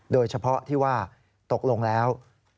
โดยเฉพาะที่ว่าตกลงแล้ว